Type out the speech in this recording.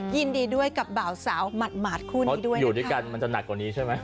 ยินดีด้วยกับบ่าวสาวหมาดคู่นี้ด้วยอยู่ด้วยกันมันจะหนักกว่านี้ใช่ไหม